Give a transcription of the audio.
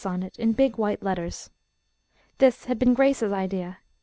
on it in big, white letters. This had been Grace's idea.